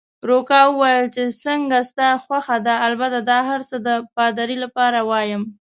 روکا وویل: چې څنګه ستا خوښه ده، البته دا هرڅه د پادري لپاره وایم.